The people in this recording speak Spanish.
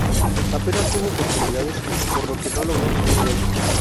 Apenas tuvo oportunidades por lo que no logró ningún gol.